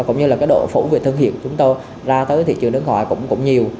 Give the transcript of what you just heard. cũng như là cái độ phủ về thương hiệu của chúng tôi ra tới thị trường nước ngoài cũng nhiều